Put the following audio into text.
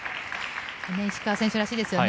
石川選手らしいですよね。